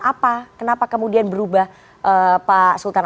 apa kenapa kemudian berubah pak sultan